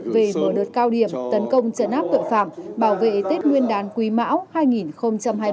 về mở đợt cao điểm tấn công chấn áp tội phạm bảo vệ tết nguyên đán quý mão hai nghìn hai mươi ba